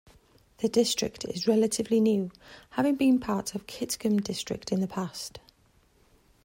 The district is relatively new, having been part of Kitgum District in the past.